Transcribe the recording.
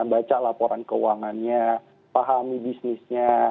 baca laporan keuangannya pahami bisnisnya